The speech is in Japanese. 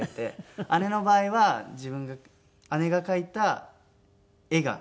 姉の場合は自分が姉が描いた絵が。